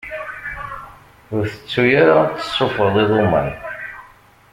Ur tettu ara ad tessufɣeḍ iḍumman!